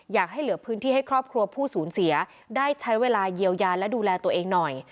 อยากให้เหลือพื้นที่ให้ครอบครัวผู้สูญเสียได้ใช้เวลาเยียวยาและดูแลตัวเองหน่อย